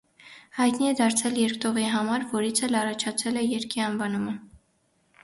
Հայտնի է դարձել երկտողի համար, որից էլ առաջացել է երգի անվանումը։